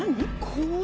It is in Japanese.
怖。